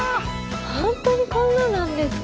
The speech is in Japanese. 本当にこんなんなんですか？